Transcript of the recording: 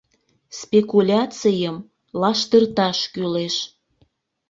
Спекуляцийым лаштырташ кӱлеш.